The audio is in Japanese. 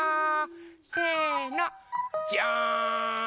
せの。じゃん！